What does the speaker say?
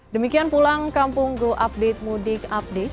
demikian pulang kampung go update